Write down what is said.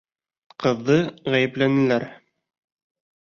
Ҡыҙҙы ғәйепләнеләр.